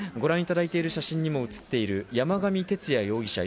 ご覧いただいている写真にも映っている山上徹也容疑者